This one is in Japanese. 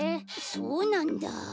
そうなんだ。